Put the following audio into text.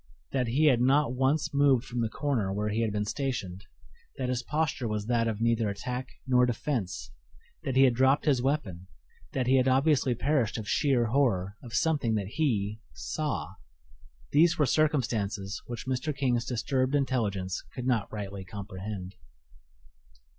That he had not once moved from the corner where he had been stationed; that his posture was that of neither attack nor defense; that he had dropped his weapon; that he had obviously perished of sheer horror of something that he saw these were circumstances which Mr. King's disturbed intelligence could not rightly comprehend.